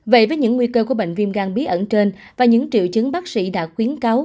vậy với những nguy cơ của bệnh viêm gan bí ẩn trên và những triệu chứng bác sĩ đã khuyến cáo